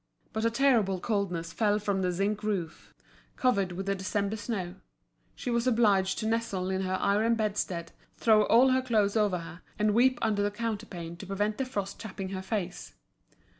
But a terrible coldness fell from the zinc roof, covered with the December snow; she was obliged to nestle in her iron bedstead, throw all her clothes over her, and weep under the counterpane to prevent the frost chapping her face.